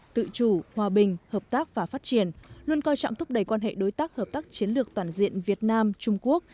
tự chủ hòa bình hợp tác và phát triển luôn coi trọng thúc đẩy quan hệ đối tác hợp tác chiến lược toàn diện việt nam trung quốc